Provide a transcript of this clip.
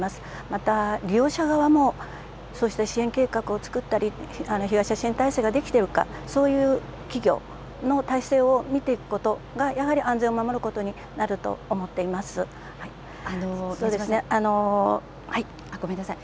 また利用者側も、そうした支援計画を作ったり、被害者支援体制ができているか、そういう企業の体制を見ていくことがやはり安全を守ることにごめんなさい。